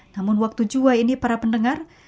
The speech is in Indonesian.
namun waktu juway ini para pendengar